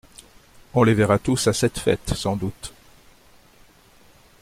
On les verra tous à cette fête sans doute.